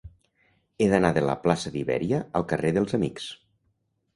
He d'anar de la plaça d'Ibèria al carrer dels Amics.